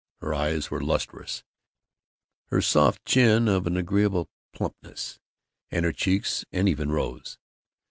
Her eyes were lustrous, her soft chin of an agreeable plumpness, and her cheeks an even rose.